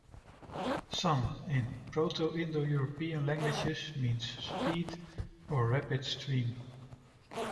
"San," in proto-Indoeuropean languages, means "speed" or "rapid stream.